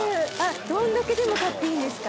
どんだけでも買っていいんですか？